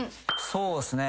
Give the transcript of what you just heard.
そうですね